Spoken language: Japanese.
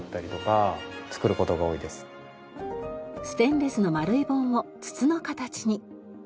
ステンレスの丸い棒を筒の形に。